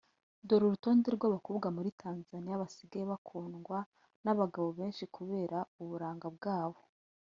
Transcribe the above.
Dore urutonde rw’ abakobwa bo muri Tanzania basigaye bakundwa n’ abagabo benshi kubera uburanga bwabo